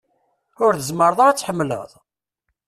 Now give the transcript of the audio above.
Ur tezmreḍ ara ad tḥemmleḍ ?